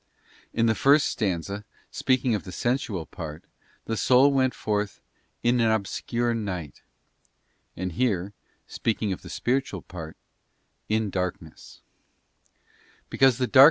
In the first stanza, speaking of the sensual part, the soul went forth 'in an obscure night;' and here, speaking of the spiritual part, 'in darkness, because the darkness of the CHAP.